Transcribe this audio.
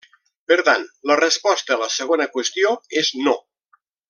Per tant, la resposta a la segona qüestió és no.